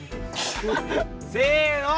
せの。